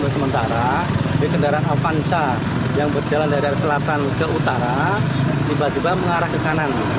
sementara di kendaraan avanca yang berjalan dari selatan ke utara tiba tiba mengarah ke kanan